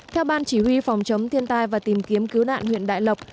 theo ban chỉ huy phòng chống thiên tai và tìm kiếm cứu nạn huyện đại lộc